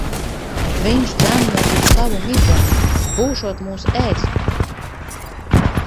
Viņš dzen mūs uz savu midzeni. Būšot mūs ēst.